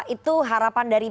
itu harapan dari